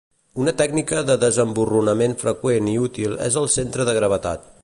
Una tècnica de desemborronament freqüent i útil és el "centre de gravetat".